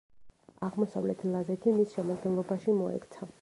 აღმოსავლეთ ლაზეთი მის შემადგენლობაში მოექცა.